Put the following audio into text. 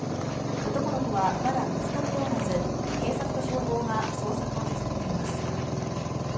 男の子は、まだ見つかっておらず警察と消防が捜索を続けています。